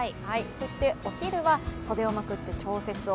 そしてお昼は、袖をまくって調節を。